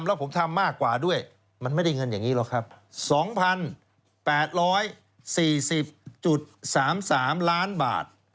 แล้วผมทำมากกว่าด้วยมันไม่ได้เงินอย่างนี้หรอกครับ๒๘๔๐๓๓ล้านบาท